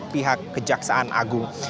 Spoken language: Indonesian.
pihak kejaksaan agung